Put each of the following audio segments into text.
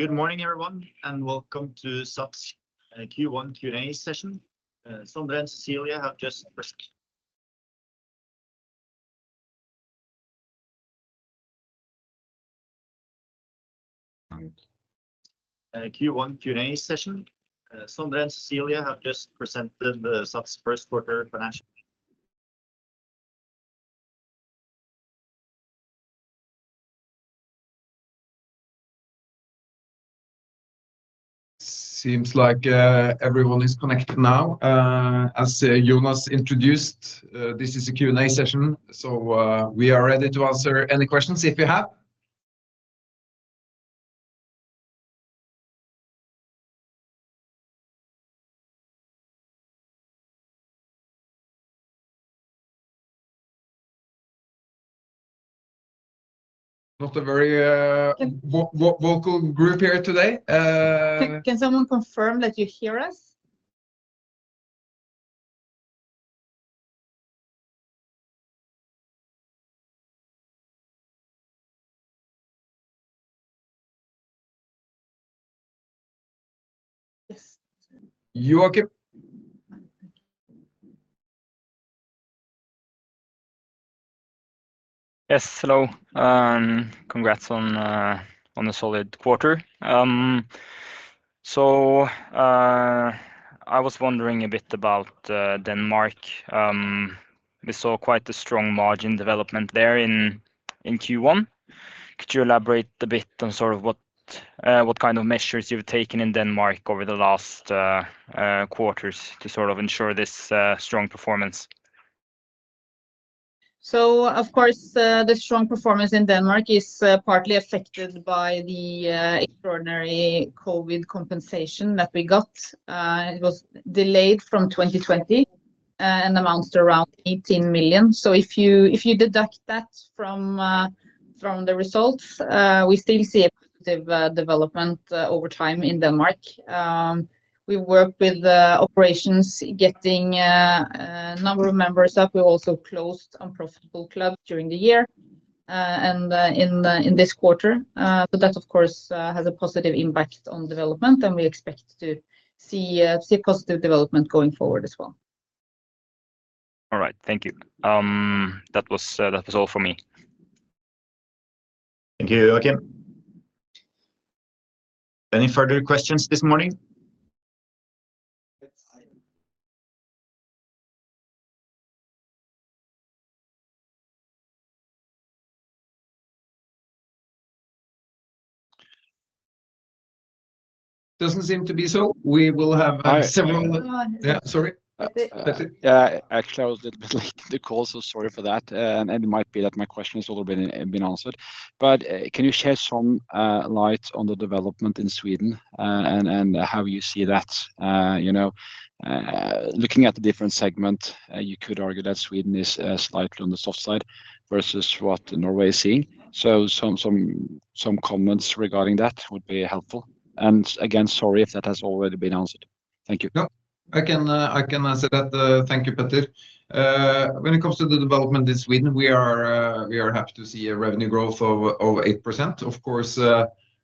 Good morning, everyone, and welcome to SATS Q1 Q&A session. Sondre and Cecilie have just. Quick. Q1 Q&A session. Sondre and Cecilie have just presented the SATS Q1 financial. Seems like everyone is connected now. As Jonas introduced, this is a Q&A session, so we are ready to answer any questions if you have. Not a very vocal group here today. Can someone confirm that you hear us? Yes. You are good. Yes, hello. Congrats on the solid quarter. I was wondering a bit about Denmark. We saw quite a strong margin development there in Q1. Could you elaborate a bit on sort of what kind of measures you've taken in Denmark over the last quarters to sort of ensure this strong performance? So of course, the strong performance in Denmark is partly affected by the extraordinary COVID compensation that we got. It was delayed from 2020 and amounts to around 18 million. So if you deduct that from the results, we still see a positive development over time in Denmark. We worked with operations getting a number of members up. We also closed unprofitable clubs during the year and in this quarter. So that, of course, has a positive impact on development, and we expect to see a positive development going forward as well. All right. Thank you. That was all from me. Thank you, Joachim. Any further questions this morning? Doesn't seem to be so. We will have several. Hi. Yeah, sorry. That's it. Yeah, actually, I was a little bit late to the call, so sorry for that. It might be that my question has already been answered. Can you share some light on the development in Sweden and how you see that? Looking at the different segment, you could argue that Sweden is slightly on the soft side versus what Norway is seeing. Some comments regarding that would be helpful. Again, sorry if that has already been answered. Thank you. Yep. I can answer that. Thank you, Petter. When it comes to the development in Sweden, we are happy to see revenue growth of 8%. Of course,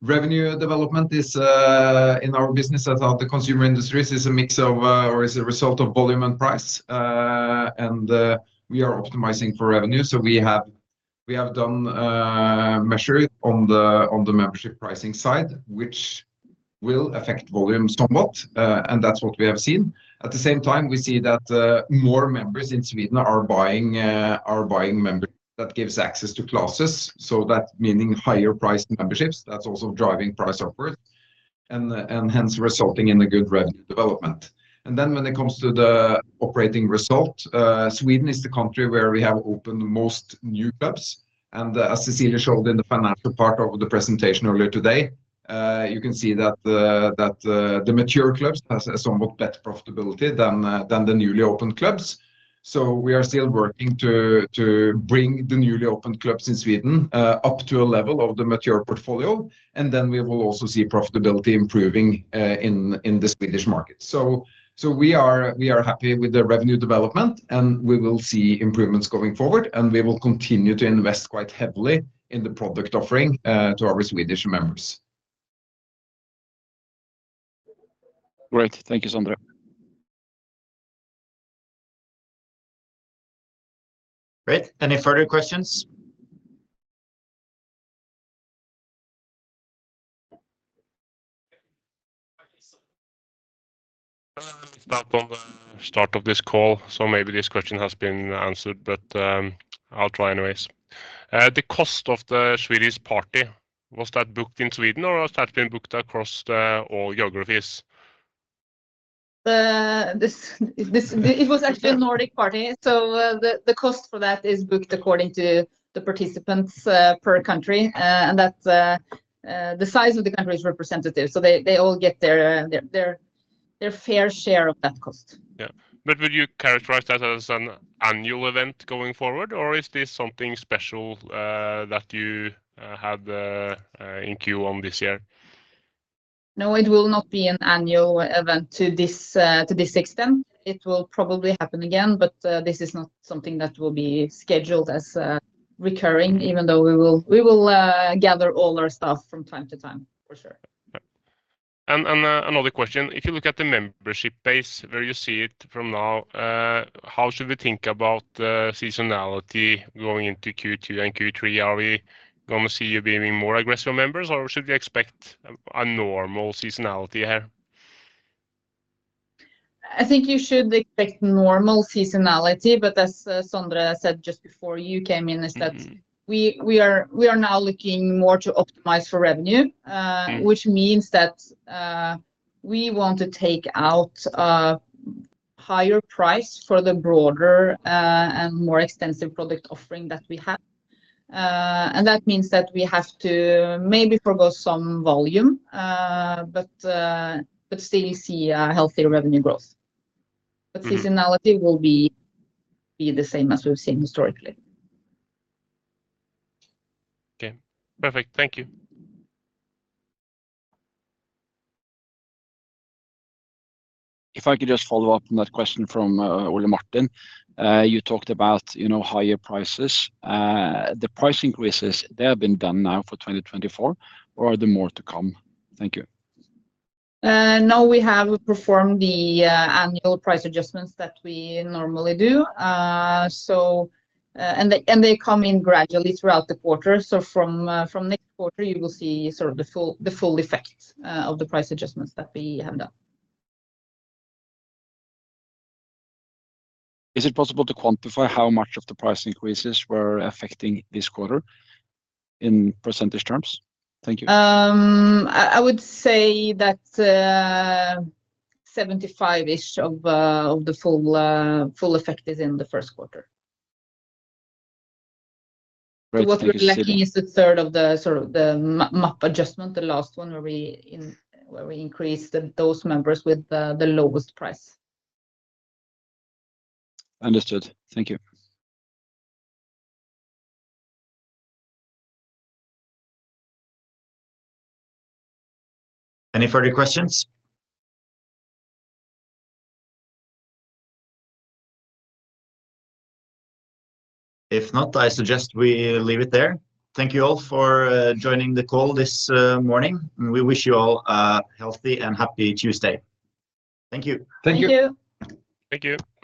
revenue development in our business, throughout the consumer industries, is a mix of or is a result of volume and price. And we are optimizing for revenue. So we have done measures on the membership pricing side, which will affect volume somewhat. And that's what we have seen. At the same time, we see that more members in Sweden are buying memberships that give access to classes. So that means higher-priced memberships. That's also driving price upwards and hence resulting in a good revenue development. And then when it comes to the operating result, Sweden is the country where we have opened the most new clubs. As Cecilie showed in the financial part of the presentation earlier today, you can see that the mature clubs have somewhat better profitability than the newly opened clubs. We are still working to bring the newly opened clubs in Sweden up to a level of the mature portfolio. Then we will also see profitability improving in the Swedish market. We are happy with the revenue development, and we will see improvements going forward. We will continue to invest quite heavily in the product offering to our Swedish members. Great. Thank you, Sondre. Great. Any further questions? I missed out on the start of this call, so maybe this question has been answered, but I'll try anyways. The cost of the Swedish party, was that booked in Sweden, or was that been booked across all geographies? It was actually a Nordic party. The cost for that is booked according to the participants per country. The size of the country is representative. They all get their fair share of that cost. Yeah. But would you characterize that as an annual event going forward, or is this something special that you had in Q1 this year? No, it will not be an annual event to this extent. It will probably happen again, but this is not something that will be scheduled as recurring, even though we will gather all our staff from time to time, for sure. Another question. If you look at the membership base where you see it from now, how should we think about seasonality going into Q2 and Q3? Are we going to see you being more aggressive members, or should we expect a normal seasonality here? I think you should expect normal seasonality. But as Sondre said just before you came in, [the point] is that we are now looking more to optimize for revenue, which means that we want to take out higher price for the broader and more extensive product offering that we have. And that means that we have to maybe forgo some volume but still see healthier revenue growth. But seasonality will be the same as we've seen historically. Okay. Perfect. Thank you. If I could just follow up on that question from Ole Martin. You talked about higher prices. The price increases, they have been done now for 2024, or are there more to come? Thank you. No, we have performed the annual price adjustments that we normally do. They come in gradually throughout the quarter. From next quarter, you will see sort of the full effect of the price adjustments that we have done. Is it possible to quantify how much of the price increases were affecting this quarter in percentage terms? Thank you. I would say that 75-ish of the full effect is in the Q1. So what we're lacking is a third of the sort of the adjustment, the last one where we increased those members with the lowest price. Understood. Thank you. Any further questions? If not, I suggest we leave it there. Thank you all for joining the call this morning. We wish you all a healthy and happy Tuesday. Thank you. Thank you. Thank you. Thank you.